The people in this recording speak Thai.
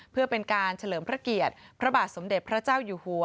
เพื่อเป็นการเฉลิมพระเกียรติพระบาทสมเด็จพระเจ้าอยู่หัว